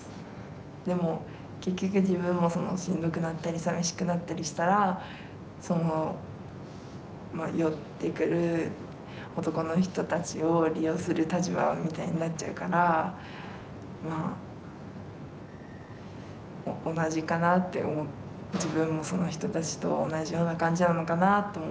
でも結局自分もしんどくなったりさみしくなったりしたらその寄ってくる男の人たちを利用する立場みたいになっちゃうからまあ同じかなって思う自分もその人たちと同じような感じなのかなとも思ってます。